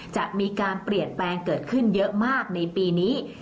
จะมีการเปลี่ยนแปลงเกิดขึ้นเยอะมากในปีนี้